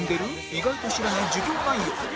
意外と知らない授業内容